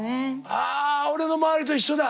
あ俺の周りと一緒だ。